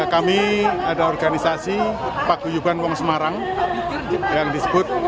kami ada organisasi paguyuban wong semarang yang disebut